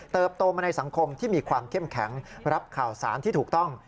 โตมาในสังคมที่มีความเข้มแข็งรับข่าวสารที่ถูกต้อง